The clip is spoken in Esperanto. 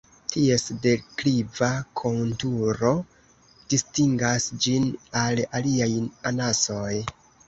Ties dekliva konturo distingas ĝin el aliaj anasoj.